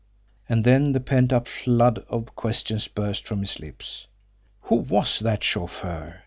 And then the pent up flood of questions burst from his lips. Who was the chauffeur?